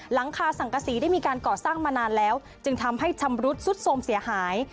หลังคาสังกษีได้มีการก่อสร้างมานานแล้วจึงทำให้ชำรุดซุดสมเสียหาย